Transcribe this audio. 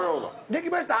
できました？